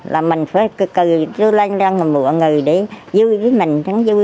là mình phải cực kỳ rưu lên ra mùa người để vui với mình